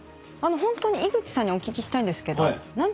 ホントに井口さんにお聞きしたいんですけど。